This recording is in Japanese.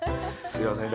すいません。